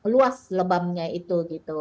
luas lebamnya itu